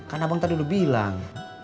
kan abang tadi udah bilang